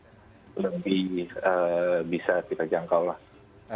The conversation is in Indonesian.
itu lebih bisa kita jangkau lah